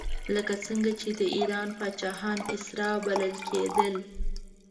لکه څنګه چې د ایران پاچاهان کسرا بلل کېدل.